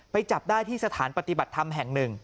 จับได้ที่สถานปฏิบัติธรรมแห่งหนึ่ง